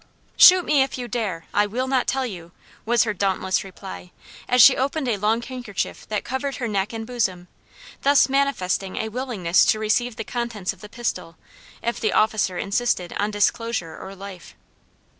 "Shoot me if you dare! I will not tell you!" was her dauntless reply, as she opened a long handkerchief that covered her neck and bosom, thus manifesting a willingness to receive the contents of the pistol, if the officer insisted on disclosure or life.